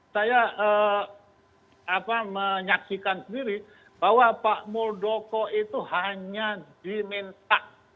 saya menyaksikan sendiri bahwa pak muldoko itu hanya diminta